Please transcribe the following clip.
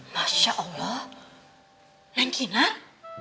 masya allah neng kinar